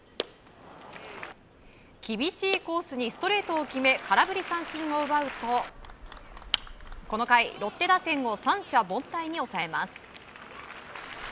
厳しいコースにストレートを決め空振り三振を奪うとこの回、ロッテ打線を三者凡退に抑えます。